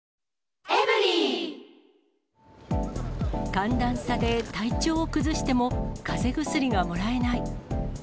寒暖差で体調を崩してもかぜ薬がもらえない。